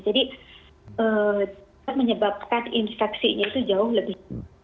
jadi menyebabkan infeksi itu jauh lebih